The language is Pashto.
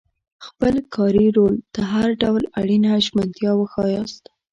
خپل کاري رول ته هر ډول اړینه ژمنتیا وښایاست.